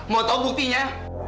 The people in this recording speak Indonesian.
mau tahu buktinya